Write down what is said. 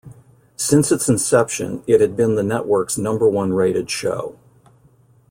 Since its inception, it had been the network's number-one rated show.